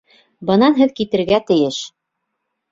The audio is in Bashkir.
Бынан һеҙ китергә тейеш!